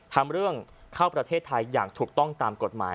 ทำเรื่องเข้าประเทศไทยอย่างถูกต้องตามกฎหมาย